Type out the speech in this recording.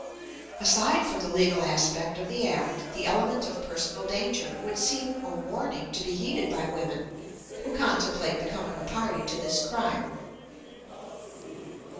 Aside from the legal aspect of the act, the element of personal danger would seem a warning to be heeded by women who contemplate becoming a party to this crime.